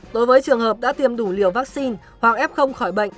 đối với trường hợp đã tiêm đủ liều vaccine hoặc ép không khỏi bệnh